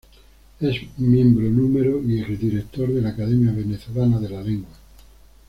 Es miembro Número y ex director de la Academia Venezolana de la Lengua.